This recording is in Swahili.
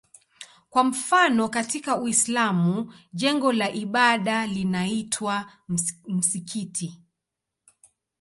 Kwa mfano katika Uislamu jengo la ibada linaitwa msikiti.